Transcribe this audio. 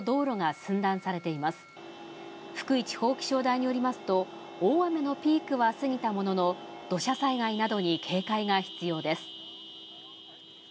地方気象台によりますと、大雨のピークは過ぎたものの、土砂災害などに警戒が必要です。